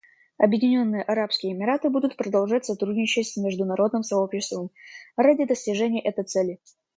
Объединенные Арабские Эмираты будут продолжать сотрудничать с международным сообществом ради достижения этой цели.